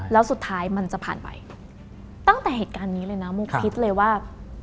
แล้วสุดท้ายมันจะผ่านไปตั้งแต่เหตุการณ์นี้เลยนะมุกคิดเลยว่า